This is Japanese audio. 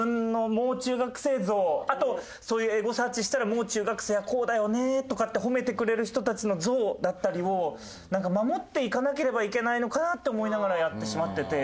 あとそういうエゴサーチしたら「もう中学生はこうだよね」とかって褒めてくれる人たちの像だったりを守っていかなければいけないのかなって思いながらやってしまってて。